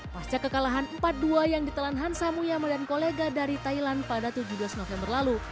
pasca kekalahan empat dua yang ditelan hansa muyame dan kolega dari thailand pada tujuh belas november lalu